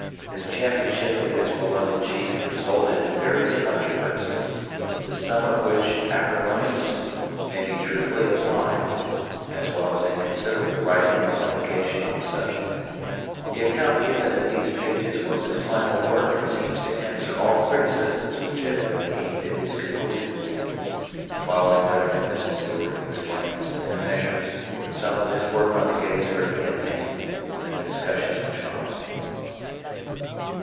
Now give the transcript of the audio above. His championship of his beloved chief resulted in various controversies, to some of which acrimonious may be truthfully applied, as well as in considerable writing and publication on the subject. The account given in these pages was his final work and seems to answer all criticisms which have been aimed at his conclusions. The following letter to Mrs. Stuart explains, in a measure, some of his work on the Gettysburg campaign and the discussions which followed.